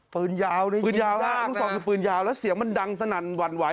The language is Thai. ปืนยาวน่ะปืนยาวมากน่ะลูกซองเป็นปืนยาวแล้วเสียงมันดังสนั่นวรรณไหว